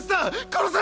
殺せ！